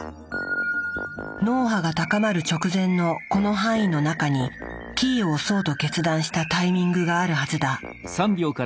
脳波が高まる直前のこの範囲の中にキーを押そうと決断したタイミングがあるはずだ。